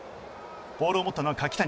ボールを持ったのは柿谷。